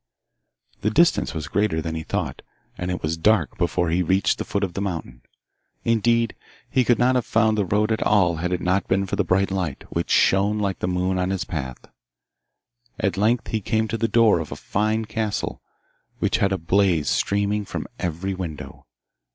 The distance was greater than he thought, and it was dark before he reached the foot of the mountain; indeed, he could not have found the road at all had it not been for the bright light, which shone like the moon on his path. At length he came to the door of a fine castle, which had a blaze streaming from every window.